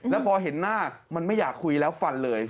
แล้วพอเห็นหน้ามันไม่อยากคุยแล้วฟันเลย